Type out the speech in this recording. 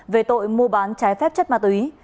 về tội mua bán trái phép chất ma túy